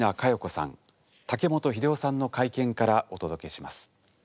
竹本秀雄さんの会見からお届けします。